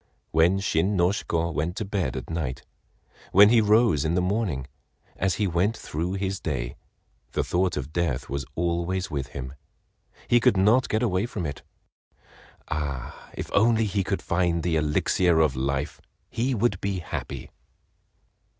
When Shin no Shiko went to bed at night, when he rose in the morning, as he went through his day, the thought of death was always with him. He could not get away from it. Ah—if only he could find the "Elixir of Life," he would be happy.